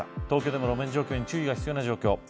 東京でも路面状況に注意が必要な状況。